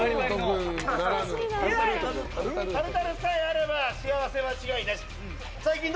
タルタルさえあれば幸せ間違いなし。